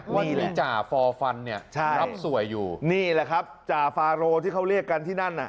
นี่หรือจ่าฟอร์ฟันเนี่ยรับสวยอยู่นี่แหละครับจ่าฟาโรที่เขาเรียกกันที่นั่นน่ะ